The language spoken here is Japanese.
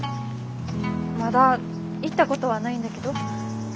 まだ行ったことはないんだけど。